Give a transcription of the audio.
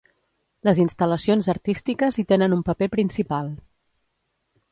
Les instal·lacions artístiques hi tenen un paper principal.